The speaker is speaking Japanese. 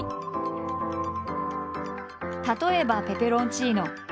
例えばペペロンチーノ。